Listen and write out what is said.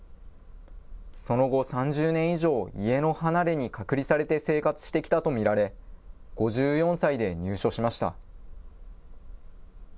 その後、３０年以上、家の離れに隔離されて生活してきたと見られ、５４歳で入所しました。